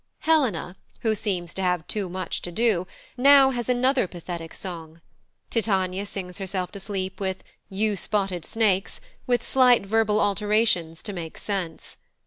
Helena, who seems to have too much to do, now has another pathetic song; Titania sings herself to sleep with "You spotted snakes," with slight verbal alterations to make sense.